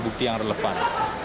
bukti yang relevan